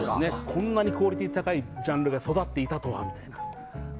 こんなにクオリティー高いジャンルで育っていたとはという。